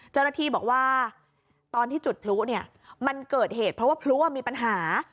เจ้าหน้าที่บอกว่าตอนที่จุดพลุเนี่ยมันเกิดเหตุเพราะว่าพลุมีปัญหา